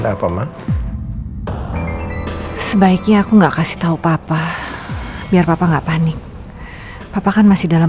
bapak mah sebaiknya aku enggak kasih tahu papa biar papa nggak panik papa kan masih dalam